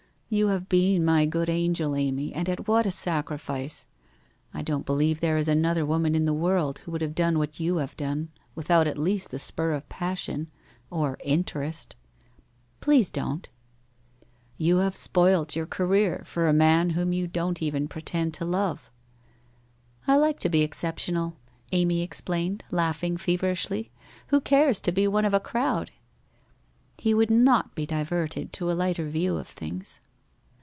You have been my good angel, Amy, and at what a sacrifice! I don't believe there is another woman in the world who would have done what you have done, with out at least the spur of passion, or interest?' ' Please don't.' WHITE ROSE OF WEARY LEAF 29 ' You have spoilt your career for a man whom you don't even pretend to love.' ' 1 like to be exceptional !' Amy explained, laughing feverishly. ' Who cares to be one of a crowd.' He would not be diverted to a lighter view of things.